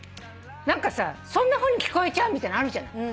何かさそんなふうに聞こえちゃうみたいなのあるじゃない。